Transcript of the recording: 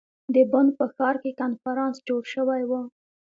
د بن په ښار کې کنفرانس جوړ شوی ؤ.